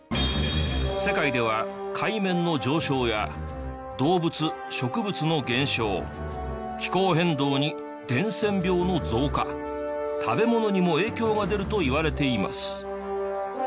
世界では海面の上昇や動物植物の減少気候変動に伝染病の増加食べ物にも影響が出るといわれています。